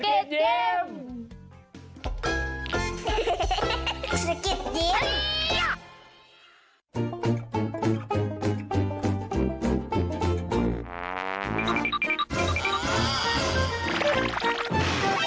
สกิดยิ้ม